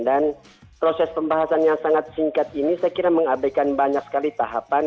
dan proses pembahasan yang sangat singkat ini saya kira mengabaikan banyak sekali tahapan